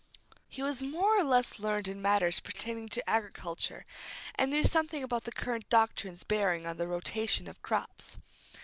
He was more or less learned in matters pertaining to agriculture, and knew something about the current doctrines bearing on the rotation of crops.